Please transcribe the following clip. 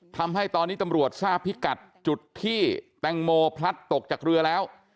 ทำให้ตอนนี้ตำรวจทราบพิกัดจุดที่แตงโมพลัดตกจากเรือแล้ว